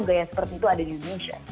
gaya seperti itu ada di indonesia